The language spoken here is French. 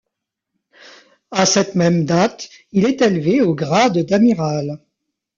À cette méme date, il est élevé au grade d'amiral.